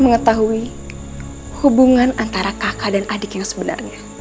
mengetahui hubungan antara kakak dan adik yang sebenarnya